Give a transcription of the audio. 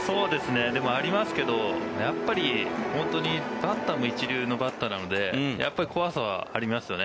ありますけど、やっぱりバッターも一流のバッターなので怖さはありますよね。